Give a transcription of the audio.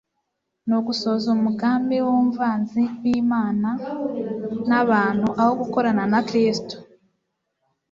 Ni ugusohoza umugambi w'umvanzi w'Imana n'abantu, aho gukorana na Kristo.